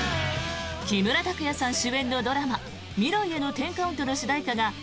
木村拓哉さん主演のドラマ「未来への１０カウント」の主題歌がＢ